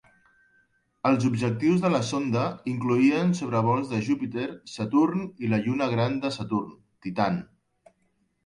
Els objectius de la sonda incloïen sobrevols de Júpiter, Saturn i la lluna gran de Saturn, Titan.